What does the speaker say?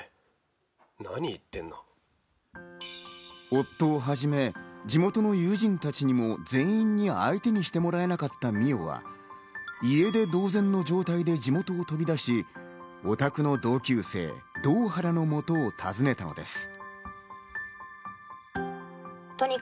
夫をはじめ、地元の友人たちにも全員に相手にしてもらえなかった美央は、家出同然の状態で地元飛び出し、オタクの同級生・堂原のもとを訪ねたのです。